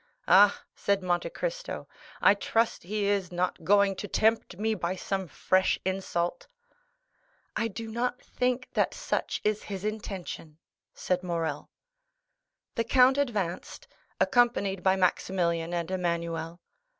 "Ah?" said Monte Cristo, "I trust he is not going to tempt me by some fresh insult!" "I do not think that such is his intention," said Morrel. The count advanced, accompanied by Maximilian and Emmanuel.